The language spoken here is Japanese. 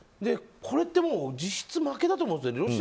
これって実質負けだと思うんですよね。